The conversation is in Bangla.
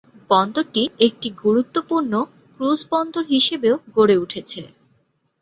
বন্দরটি একটি গুরুত্ব পূর্ণ ক্রুজ বন্দর হিসেবেও গড়ে উঠেছে।